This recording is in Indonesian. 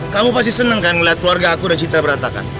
kamu pasti senang kan ngeliat keluarga aku udah citra berantakan